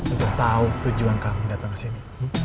untuk tahu tujuan kami datang kesini